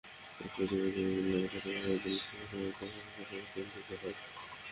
একপর্যায়ে প্রতিবেদনের জন্য অপেক্ষায় থাকা কয়েকজনের সঙ্গে শেভরনের কর্মকর্তাদের বাগ্বিতণ্ডা হয়।